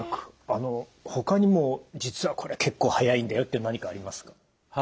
あのほかにも実はこれ結構早いんだよって何かありますか？